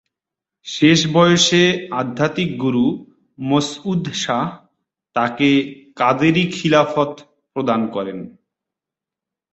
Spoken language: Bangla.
শেষ বয়সে আধ্যাত্মিক গুরু মসউদ শাহ্ তাঁকে ‘কাদেরী খিলাফত’ প্রদান করেন।